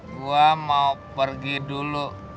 gua mau pergi dulu